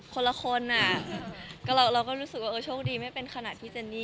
คนละคนอ่ะก็เราก็รู้สึกว่าเออโชคดีไม่เป็นขนาดพี่เจนนี่